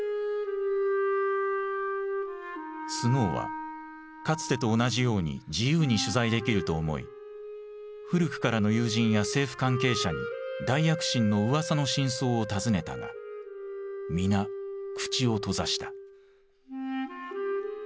スノーはかつてと同じように自由に取材できると思い古くからの友人や政府関係者に大躍進の噂の真相を尋ねたが皆口を閉ざした。